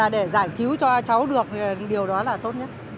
để giải cứu cho cháu được điều đó là tốt nhất